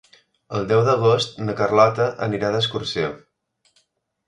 El deu d'agost na Carlota anirà d'excursió.